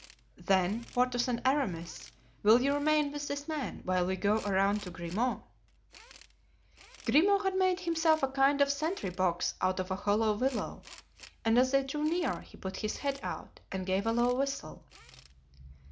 "Then, Porthos and Aramis, will you remain with this man while we go around to Grimaud?" Grimaud had made himself a kind of sentry box out of a hollow willow, and as they drew near he put his head out and gave a low whistle.